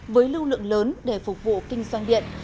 với lưu lượng lớn để phục vụ kinh doanh điện